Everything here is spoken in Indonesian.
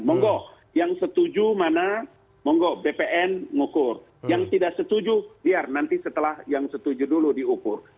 monggo yang setuju mana monggo bpn ngukur yang tidak setuju biar nanti setelah yang setuju dulu diukur